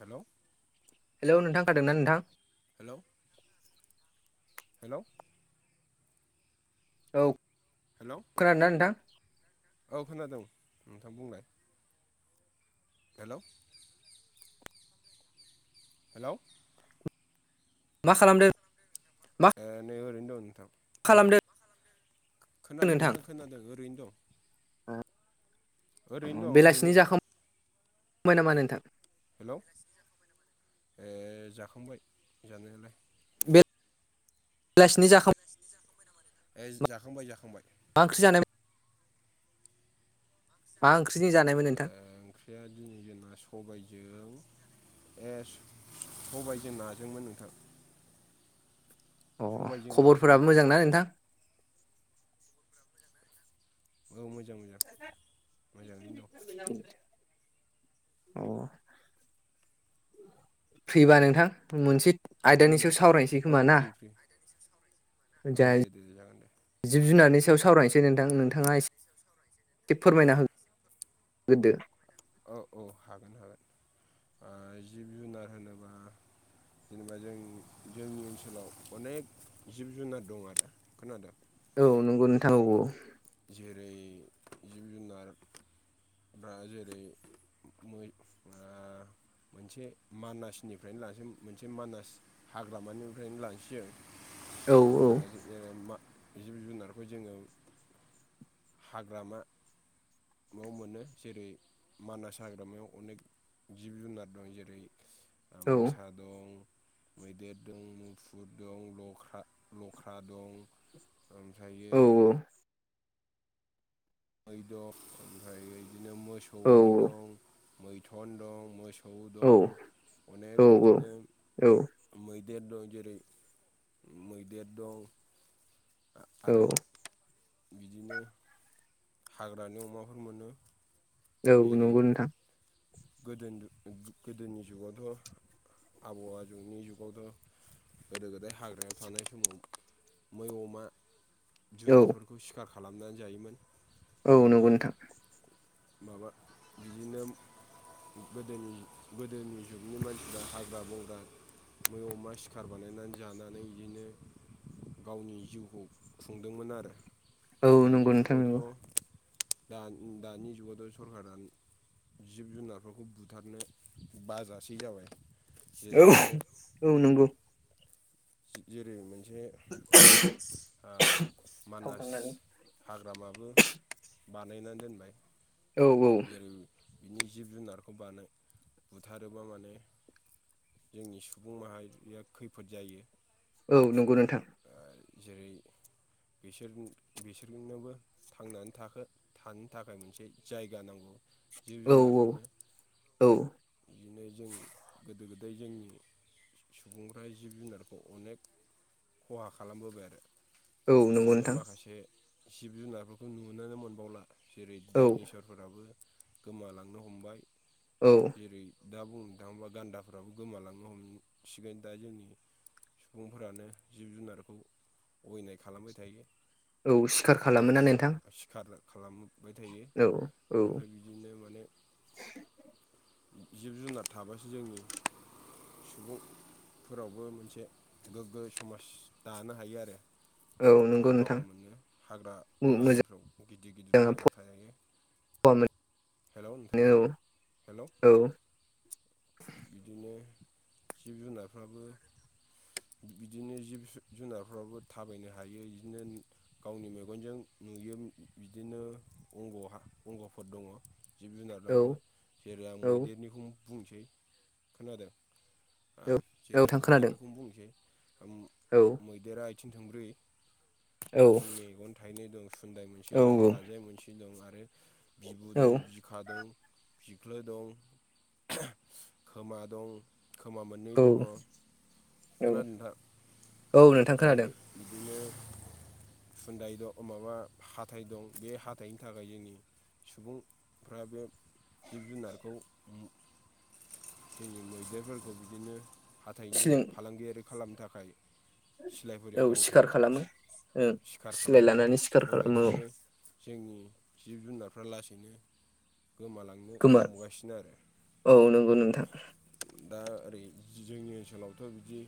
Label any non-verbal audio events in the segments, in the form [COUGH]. Hello hello नोंथां खोनादों ना नोंथां? हेलौ हेलौ औ हेल' खोनारादों नोंथां। औ खोनादों नोंथां बुंनाय। हेलौ हेलौ मा खालामदों? मा ए नै ओरैनो दं नोंथां बुंनाय खालामदों खोनादों नोंथां खोनादों ओरैनो दं। अ ओरैनो दं ओरैनो बेलासिनि जाखांबाय नामा नोंथां? हेलौ ए जाखांबाय जानायालाय। बेलासिनि जाख ए जाखांबाय जाखांबाय ए मा ओंख्रि जानाय मा ओंख्रिजों जानायमोन नोंथां ओंख्रिया दिनै जोंना सबायजों ए सबायजों नाजोंमोन नोंथां। अ सबायजों नाजोंमोन खबरफोराबो मोजांना नोंथां? औ मोजां मोजां मोजाङैनो दं। ां [INAUDIBLE] अ। फ्रिबा नोंथां मोनसे दं आयदानि सायाव नोंथां सावरायनोसै औ खोमा ना फ्रि फ्रि औ जाय दे दे दे जागोन दे जिब जुनारनि सायाव सावरायनोसै नोंथां नोंथाङा एसे फोरमायना होगोन। गोदो। औ औ हागोन हागोन जिब जुनार होनोब्ला जेनेबा जों जोंनि ओनसोलाव अनेक जिब जुनार दं आदा खोनादोंं। औ नंगौ ना। जेरै जिब जुनार दा जेरै मै ओ मोनसे मानासनिफ्रायनो लासै मोनसे मानास हाग्रामानिफ्रायनो लांसै आं औ औ। ा जिब जुनारखौ जोङो। हाग्रामायाव मोनो जेरै मानास हाग्रामायाव अनेक जिब जुनार दं जेरै औ मोसा दं मैदेर दं मुफुर दं लख्रा लख्रा दं। ओमफ्रायो। औ औ मै दं ओमफ्राय बिदिनो मोसौ औ मै औ दं मैथुन दं मोसौ। थौ दं अनेक बिदिनो। औ मैदेर दं जेरै मैदेर दं। औ आरो बिदिनो हाग्रानि अमाफोर मोनो। औ नंगौ नोंथां। गो गोदोनि जुगावथ'। आबहावा जुगनि जुगावथ' गोदो गोदाय हाग्रायाव थानाय समाव। मै अमा औ जुनारफोरखौ सिखार खालामनानै जायोमोन औ बिदिनो नंगौ नोंथां माबा बिदिनो। गोदोनि गोदोनि जुगनि मानसिफ्रा हाग्रा बंग्रा। मै अमा सिखार बानायनानै जानानै बिदिनो। गावनि जिउखौ खुंदोंमोन आरो औ दानि नंगौ नोंथां जुगावथ' नंगौ दा दानि जुगावथ' सरकारा जिब जुनारफोरखौ बुथारनो बाजासै जाबाय। जेरै औ मोनसे औ नंगौ जेरै मोनसे थाव मानास। थांनानै हाग्रामाबो बानायनानै दोनबाय। औ औ जेरै बिनि जिब जुनारखौ बानाय बुथारोबा माने। जोंनि सुबुं माहारिया खैफोद जायो। औ नंगौ नोंथां जेरै बिसोर बिसोरजोंनोबो। थांनानै थाखो थानो थाखाय मोनसे जायगा नांगौ। जिब औ जुनारफोरनो। औ बिदिनो जों गोदो गोदाय जोंनि सुबुंफ्रा जिब-जुनारखौ अनेक खहा खालामबोबाय आरो औ नंगौ बिदिनो नोंथां माखासे। जिब जुनारफोरखौ नुनानै मोनबावला जेरै औ दाइनि साव फोराबो गोमालांनो हमबाय। औ। जेरै दा बुंनो थाङोब्ला गान्दाफ्राबो गोमालांनो हमसिगोन दा जोंनि। सुबुंफोरानो जिब जुनारखौ अगायनाय खालामबाय थायो। औ सिखार खालामोना जेनेबा नोंथां सिखार खालामबाय थायो औ औ ओमफ्राय बि बिदिनो माने जिब जुनार थाबासो जोंनि। सुबुंफोरावबो मोनसे गोग्गो समाज दानो हायो आरो। औ नंगौ नोंथां आबहावा मोनो हाग्रा बारिफ्राव गिदिर गिदिर हाग्रा थायो। ब हेल' नोंथां हेल' बिदिनो जिब जुनारफ्राबो बिदिनो जिब जुनारफ्रावो थाबायनो हायो बिदिनो। गावनि मेगनजों नुयो बिदिनो अंग' अंग'फोर दङ। जिब औ जुनारनावबो फेरो आं औ मैदेरनिखौनो बुंसै खोनादों। औ जेरै आं नोंथां खोनादों मैदेरनिखौनो बुंसैै। औ ग देरा आथिं थंब्रै औ आरो मेगन थायनै दं सुन्दाय मोनसे औ दं लान्जाय मोनसे। दं आरो बिबु दं बि खखा दं फिख्लो दं खोमा दं खोमा मोननै औ दङ खोनादों नोंथां। औ नोंथां ओमफ्राय खोनादों बिदिनो खुन्दाय दं माबा हााइ दं बे हाथाइनि थाखाय जोंनि सुबुंफ्रा बे जिब जुनारखौ जोंनि मैदेरफोरखौ बिदिनो हाथाइनि सिलिं फालांगियारि खालामनो थाखाय सिलायफोरजों औ सिखार गावथारो खालामो ओं सिखार सिलाय खालामो। लानानै सिखार खालामो औ बेबायदिनो जोंनि जिब जुनारफ्रा लासैनो गोमालाङो। नो गोमा हमगासिनो आरो औ नंगौ नोंथां दा ओरै जोंनि ओनसोलावथ' बिदि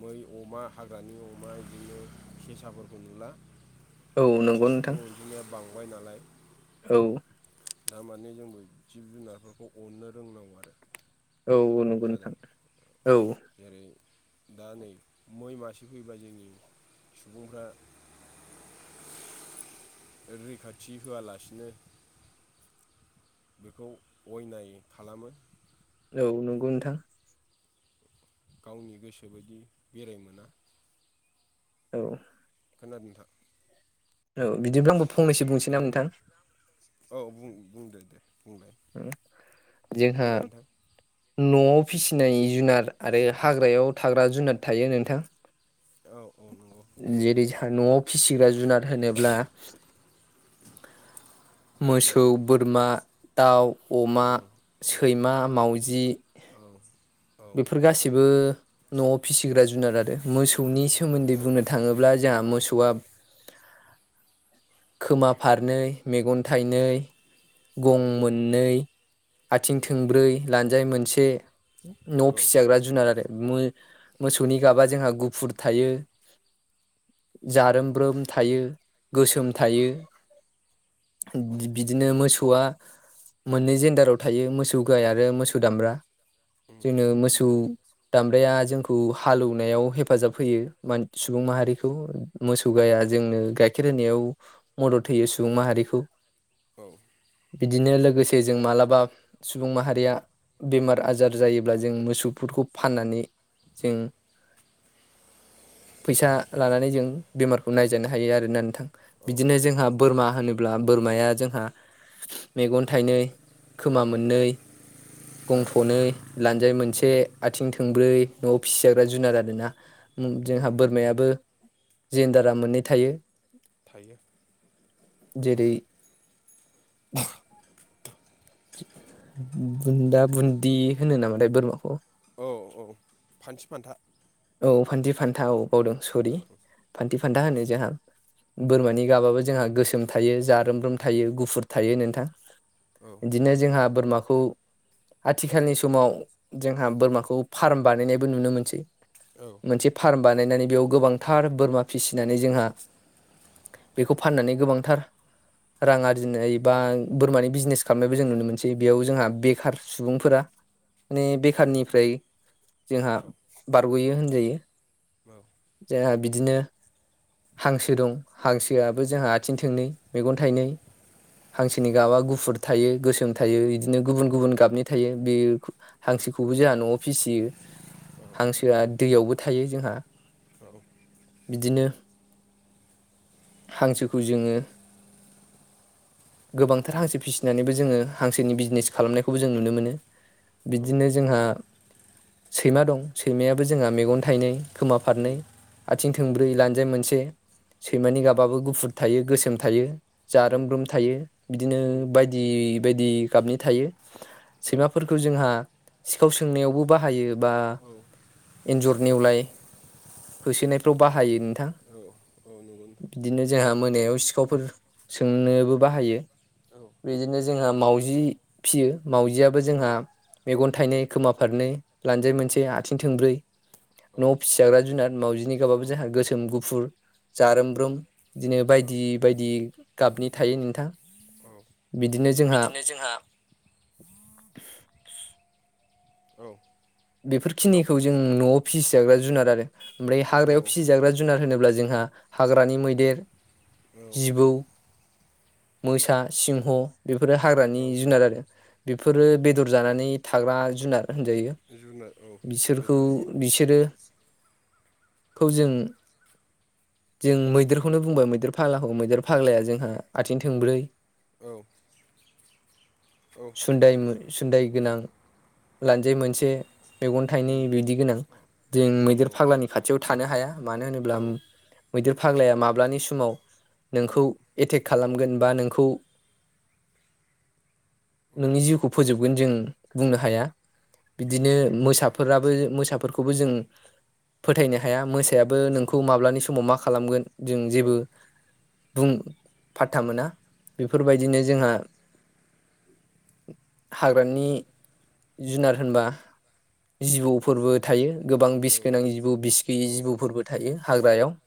मै अमा हाग्रानि अमा बिदिनो खेसाफोरखौ नुला औ मानसि नंगौ नोंथां सुबुं बिनिया बांबाय नालाय। औ दारमाने जोंबो जिब जुनारफोरखौ अननो रोंनांगौ आरो। औ नुगोन खोनादों नोंथां औ जेरै दा नै मै मासे फैबा जोंनि सुबुंफ्रा रैखाथि होआलासिनो बेखौ अयनायै खालामो। औ नंगौ नोंथां गावनि गोसो बायदि बेराय मोना औ खोनादों नोंथा औ बिदिब्ला आंबो फंनैसो बुंसै ना हेलौ नोंथां औ बुं बुंदे दे बुंलाय जोंहा बुंलाय नोंथां न'आव फिसिनाय जुनार आरो हाग्रायाव थाग्रा जुनार थायो नोंथां। औ औ नंगौ नंगौ जेरै जोंहा न'आव फिसिग्रा जुनार होनोब्ला मोसौ बोरमा दउ अमा औ सैमा मावजि औ औ बेफोर गासिबो न'आव फिसिग्रा जुनार आरो मोसौ मोसौनि सोमोन्दै बुंनो थाङोब्ला जोंहा मोसौआ खोमा फारनै मेगन थाइनै औ उम गं मोननै आथिं औ थोंब्रै लान्जाय मोनसे न' फिसिजाग्रा जुनार आरो मोसौनि गाबा जोंहा गुफुर थायो जारोमब्रोम थायो गोसोम थायो बिदिनो मोसौआ मोननै जेन्डाराव थायो मोसौ गाय आरो मोसौ दामब्रा जों मोसौ दामब्राया जोंखौ हालेवनायाव हेफाजाब होयोान सुबुं माहारिखौ औ मोसौ गाया जोंनो गाइखेर होनायाव मदद होयो सुबुं माहारिखौ औ बिदिनो लोगोसे जों मालाबा सुबुं माहारिया बेमार आजार जायोब्ला जों मोसौफोरखौ फाननानै जों फैसा औ लानानै जों बेमारखौ नायजानो हायो आरोना नोंथां औ बिदिनो जोंहा बोरमा होनो अब्ला बोरमाया जोंहा मेगन थाइनै खोमा मोननै गंफ'नै लान्जाय औ मोनसे आथिं थोंब्रै न'आव फिसिजाग्रा जुनार आरोना औ जोंहा बोरमायाबो जेेनडारा मोननै थायो। थायो। जेरै बुन्दा बुन्दि होनो नामाथाय बोरमाखौ? औ औ फानथि फान्था औ फान्दि फान्था औ बावदों औ औ सरि फान्थि फान्था होनो जोंहा बोरमानि गाबाबो जोंहा गोसोम थायो जारोमब्रोम थायो गुफुर थायो नोंथां औ बिदिनो जोंहा बोरमाखौ आथिखालनि समाव जोंहा बोरमाखौ फार्म बानायनायबो नुनो मोनसै औ मोनसे फार्म बानायनानै बेयाव गोबांथार बोरमा फिसिनानै जोंहा बेखौ फाननानै गोबांथार रां आरजिनाय बा बोरमानि बिजिनेस खालामनायबो जों नुनो मोनसै बेयाव जोंहा बेखार सुबुंफोरा माने औ उम औ उम औ बेखारनिफ्राय जोंहा बारग'यो होनजायो जोंहा बिदिनो हांसो दं हांसोआबो जोंहा आथिं थोंनै मेगन थाइनै हांसोनि गाबा गुफुर थायो गोसोम थायो बिदिनो गुबुन गुबुन गाबनि थायो बे हांसोखौबो जोंहा न'आव फिसियो हांसोआ दैयावबो थायो जोंहा बिदिनो हांसोखौ जोङो गोबांथार हांसो फिसिनानैबो जोङो हांसोनि बिजनेस खालामनायखौबो जों नुनो मोनो बिदिनो जोंहा सैमा दं सैमायाबो जोंहा मेगन थाइनै खोमाफारनै आथिं थोंब्रै लानजाय मोनसे सैमानि गाबाबो गुफुर थायो गोसोम थायो जारोम रोम थायो बिदिनो उम बायदि बायदि गाबनि थायो औ सैमाफोरखौ जोंहा सिखाव सोंनायावबो बाहायो बा औ एन्जर नेवलाय होसोनायफ्राव बाहायो नोंथां औ औ नंगौ नोंथां बिदिनो जोंहा मोनायाव सिखावफोर सोंनोबो बाहायो औ बिदिनो जोंहा मावजि फियो मावजियाबो औ जोंहा मेगन थाइनै खोमाफारनै लान्जाय औ मोनसे आथिं थोंब्रै न' फिसिाग्रा जुनाद मावउजिनि औ गाबाबो जोंहा गोसोम गुफुर जारोमब्रुम बिदिनो बायदि बायदि गाबनि औ थायो नोंथां औ बिदिनो जोंहा जोंहा औ हेलौ बेफोरखिनिखौ जों न'आव फिसिजाग्रा जुनार आरो ओमफ्राय औ हाग्रायाव फिसिजाग्रा जुनार होनोब्ला जोंहा हाग्रानि मैदेर औ जिबौ मोसा सिंह बेफोरो औ हाग्रानि जुनार आरो औ बेफोरो बेदर जानानै थाग्रा जुनार होनजायो जुनार औ बिसोरखौ बेदर जायो बिसोरो खौ जों जों हेलौ मैदेरखौनो बुंबाय मैदेर फाग्लाखौ मैदेर फाग्लाया जोंहा आथिं थोंब्रै औ औ उम सुदाय सुदाय गोनां लान्जाय मोनसे मेगन थाइनै बिदि गोनां जों औ मैदेर फाग्लानि खाथियाव थानो हाया मानो औ होनोब्ला मैदेर फाग्लाया माब्लानि समाव मा नोंखौ एटेक खालामगोन बा नोंखौ [INAUDIBLE] औ नोंनि जिउखौ फोजोबगोन जों बुंनो हाया बिदिनो मोसाफोराबो मोसाफोरखौबो जों फोथायनो हाया मोसायाबो औ नोंखौ माब्लानि समाव मा खालामगोन जों औ जेबो बुं फाथ्था मोना औ बेफोरबायदिनो जोंहा हाग्रानि जुनार होनबा जिबौफोरबो थायो गोबां बिस गोनां जिबौ बिस गैयि औ जिबौफोरबो थायो हाग्रायाव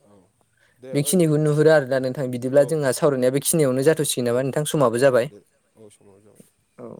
दे ओइ बेखिनिखौ नुहुरो आरो दा नोंथां औ बिदिब्ला जोंहा नोंथां सावरायनाया बेखिनियावनो जाथों फथ'सि औ नामा नोंथां समाबो औ जाबाय दे औ समाबो जाबाय औ।